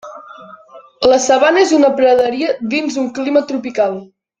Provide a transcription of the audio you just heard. La sabana és una praderia dins un clima tropical.